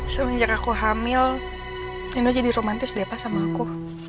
semenjak aku hamil indo jadi romantis deh pas sama aku